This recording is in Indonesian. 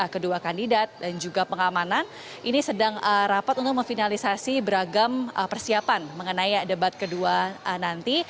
kedua kandidat dan juga pengamanan ini sedang rapat untuk memfinalisasi beragam persiapan mengenai debat kedua nanti